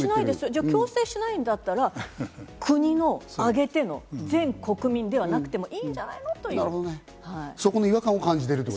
じゃあ強制しないんだったら国をあげての全国民ではなくてもいいんじゃないの？という。